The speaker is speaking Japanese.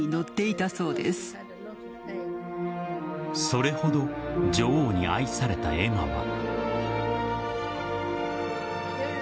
それほど女王に愛されたエマは。